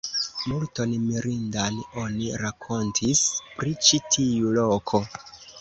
Multon mirindan oni rakontis pri ĉi tiu loko.